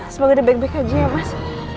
semoga udah baik baik aja ya mas